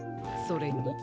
それに。